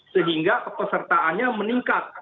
sehingga pesertaannya meningkat